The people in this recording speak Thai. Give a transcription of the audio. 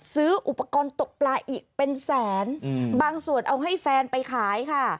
ซื้ออุปกรณ์ตกปลาอีกเป็นแสนบางส่วนเอาให้แฟนไปขายค่ะ